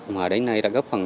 họ ở đây nay đã góp phần